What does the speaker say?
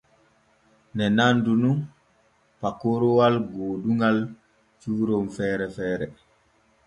Ne nandu nun pakoroowal gooduŋal cuuron feere feere.